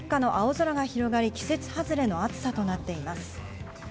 関東地方は台風一過の青空が広がり、季節外れの暑さとなっています。